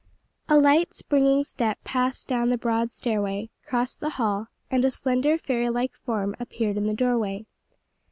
A light, springing step passed down the broad stairway, crossed the hall, and a slender fairy like form appeared in the doorway.